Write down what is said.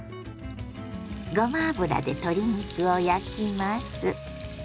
ごま油で鶏肉を焼きます。